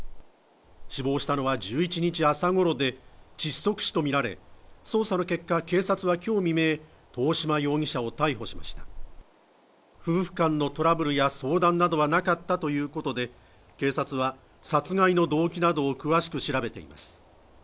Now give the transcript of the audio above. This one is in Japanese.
死亡したのは１１日朝ごろで窒息死とみられる捜査の結果警察はきょう未明遠嶋容疑者を逮捕しました夫婦間のトラブルや相談などはなかったということで警察は殺害の動機などを詳しく調べています